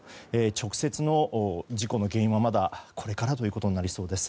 直接の事故の原因はまだこれからということになりそうです。